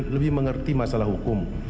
lebih mengerti masalah hukum